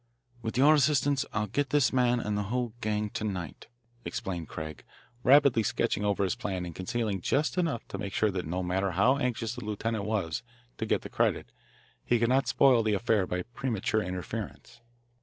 "With your assistance I'll get this man and the whole gang to night," explained Craig, rapidly sketching over his plan and concealing just enough to make sure that no matter how anxious the lieutenant was to get the credit he could not spoil the affair by premature interference.